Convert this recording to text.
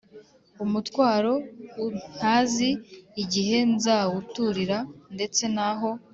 umutwaro ntazi igihe nzawuturira ndetse naho